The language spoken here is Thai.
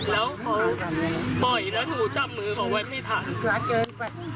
แล้วพอปล่อยแล้วหนูจับมือเขาไว้ไม่ทัน